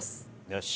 よし。